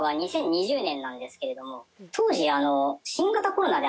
当時。